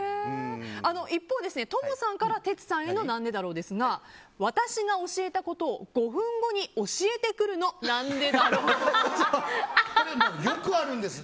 一方、トモさんからテツさんへのなんでだろう？ですが私が教えたことを５分後に教えてくるのよくあるんです。